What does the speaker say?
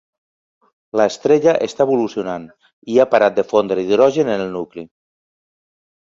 L'estrella està evolucionant i ha parat de fondre hidrogen en el nucli.